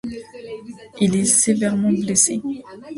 Il est sévèrement blessé.